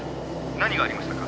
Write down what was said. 何がありましたか？」